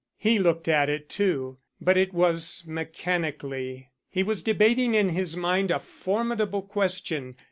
He looked at it too, but it was mechanically. He was debating in his mind a formidable question.